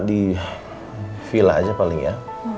di villa aja paling ya